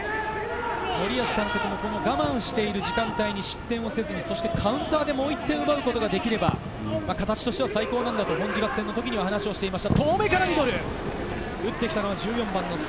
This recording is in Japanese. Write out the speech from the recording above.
森保監督も我慢している時間に失点せず、カウンターでもう１点を奪うことができれば形としては最高なんだとホンジュラス戦の時は話をしてました。